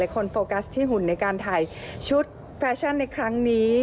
คนโฟกัสที่หุ่นในการถ่ายชุดแฟชั่นในครั้งนี้